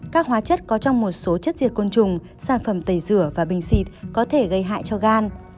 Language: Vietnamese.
các hóa chất có trong một số chất diệt côn trùng sản phẩm tẩy rửa và bình xịt có thể gây hại cho gan